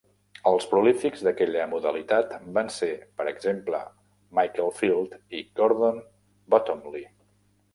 Els prolífics d'aquella modalitat van ser, per exemple, Michael Field i Gordon Bottomley.